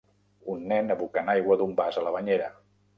Un nen abocant aigua d'un vas a la banyera.